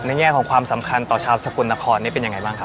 ในแผ่งแง่ของสำคัญต่อชาวสโกนละครเป็นอย่างไรบ้างครับ